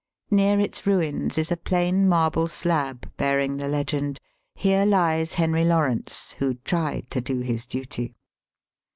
Near its ruins is a plain marble slab bearing the legend: ^'Here hes Henry Lawrence, who tried to do his duty."